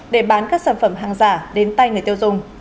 để bán các sản phẩm hàng giả đến tay người tiêu dùng